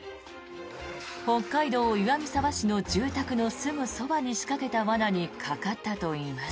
北海道岩見沢市の住宅のすぐそばに仕掛けた罠にかかったといいます。